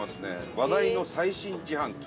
話題の最新自販機。